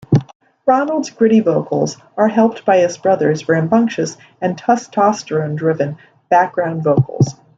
Ronald's gritty vocals are helped by his brothers' rambunctious and testosterone-driven background vocals.